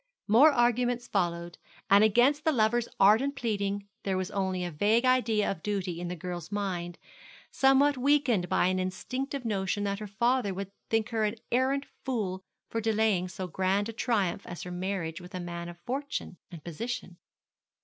More arguments followed, and against the lover's ardent pleading there was only a vague idea of duty in the girl's mind, somewhat weakened by an instinctive notion that her father would think her an arrant fool for delaying so grand a triumph as her marriage with a man of fortune and position.